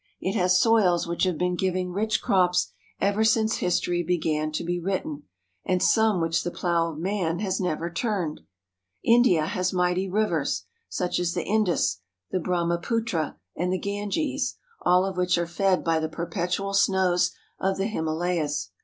It has soils which have been giving rich crops ever since history began to be written, and some which the plow of man has never turned. India has mighty rivers, such as the Indus, the Brahmaputra, and the Ganges, all of which are fed by the perpetual snows of the Himalayas.